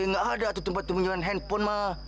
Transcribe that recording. gak ada tuh tempat peminjaman handphone mak